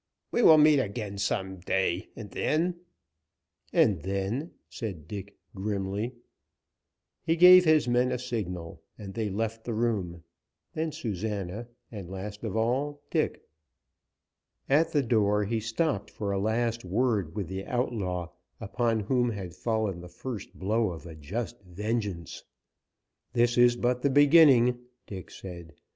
We will meet again some day, and then " "And then," said Dick, grimly. He gave his men a signal and they left the room, then Susana, and last of all, Dick. At the door he stopped for a last word with the outlaw, upon whom had fallen the first blow of a just vengeance. "This is but the beginning," Dick said.